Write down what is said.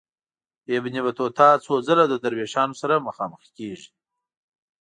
ابن بطوطه څو ځله د دروېشانو سره مخامخ کیږي.